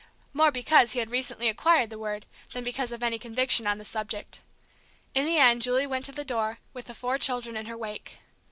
more because he had recently acquired the word than because of any conviction on the subject. In the end Julie went to the door, with the four children in her wake.